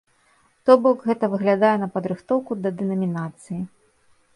То бок, гэта выглядае на падрыхтоўку да дэнамінацыі.